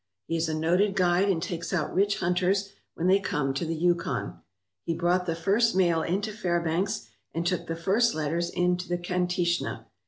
He is a noted guide and takes out rich hunters when they come to the Yukon. He brought the first mail into Fairbanks and took the first letters into the Kantishna.